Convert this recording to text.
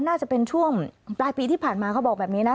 น่าจะเป็นช่วงปลายปีที่ผ่านมาเขาบอกแบบนี้นะ